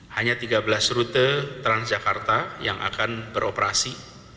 hanya tiga belas rute transjakarta yang akan beroperasi